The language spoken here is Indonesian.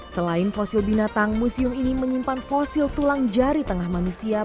selain fosil binatang museum ini menyimpan fosil tulang jari tengah manusia